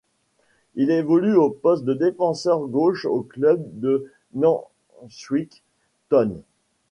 Il évolue au poste de défenseur gauche au club de Nantwich Town.